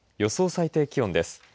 予想最低気温です。